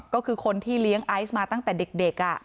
ก็คือคนที่เลี้ยงไอซ์มาตั้งแต่เด็ก